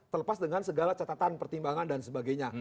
terlepas dengan segala catatan pertimbangan dan sebagainya